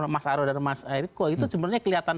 mas aroh dan mas ericko itu sebenarnya kelihatan